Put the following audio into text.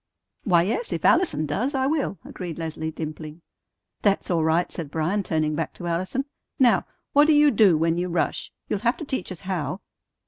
"Why, yes, if Allison does, I will," agreed Leslie, dimpling. "That's all right," said Bryan, turning back to Allison. "Now, what do you do when you rush? You'll have to teach us how."